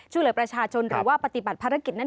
ช่วยเหลือประชาชนหรือว่าปฏิบัติภารกิจนั้น